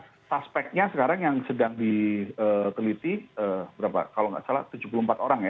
karena aspeknya sekarang yang sedang diteliti berapa kalau nggak salah tujuh puluh empat orang ya